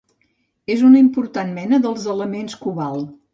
És una important mena dels elements cobalt.